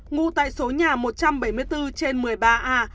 ngụ tại số nhà một trăm bảy mươi bốn trên một mươi ba a